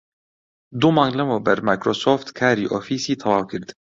دوو مانگ لەمەوبەر مایکرۆسۆفت کاری ئۆفیسی تەواو کرد